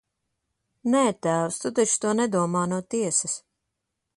Nē, tēvs, to taču tu nedomā no tiesas!